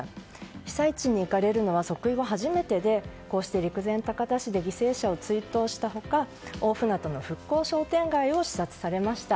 被災地に行かれるのは即位後初めてで、陸前高田市で犠牲者を追悼した他大船渡の復興商店街を視察されました。